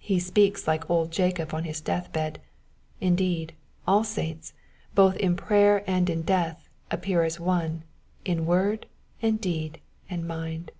He speaks like old Jacob on his deathbed ; indeed, all saints, both in prayer and in death, appear as one, in word, and deed, and mind.